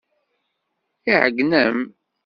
Iɛeyyen-am.